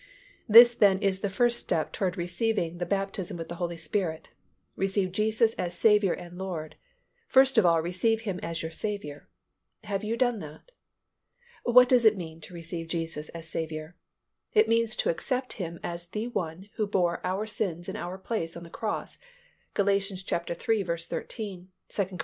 This then is the first step towards receiving the baptism with the Holy Spirit; receive Jesus as Saviour and Lord; first of all receive Him as your Saviour. Have you done that? What does it mean to receive Jesus as Saviour? It means to accept Him as the One who bore our sins in our place on the cross (Gal. iii. 13; 2 Cor.